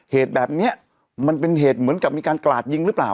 เหตุแบบนี้มันเป็นเหตุเหมือนกับมีการกราดยิงหรือเปล่า